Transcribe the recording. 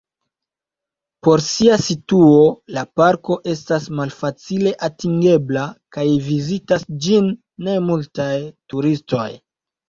Pro sia situo la parko estas malfacile atingebla kaj vizitas ĝin ne multaj turistoj.